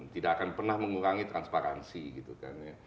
tidak akan pernah mengurangi transparansi gitu kan ya